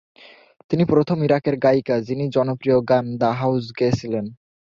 তিনি প্রথম ইরাকের গায়িকা যিনি জনপ্রিয় গান "দ্য হাউজ" গেয়েছিলেন।